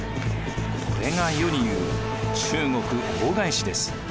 これが世に言う中国大返しです。